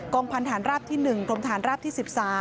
กองพันธ์ราปที่๑สมธารราปที่๑๓